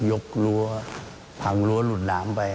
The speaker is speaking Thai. กรั้วพังรั้วหลุดน้ำไป